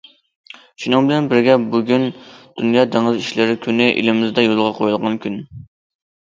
شۇنىڭ بىلەن بىرگە بۇ كۈن دۇنيا دېڭىز ئىشلىرى كۈنى ئېلىمىزدە يولغا قويۇلغان كۈن.